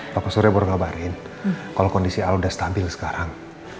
bapak surya baru kabarin kalau kondisi awal sudah stabil sekarang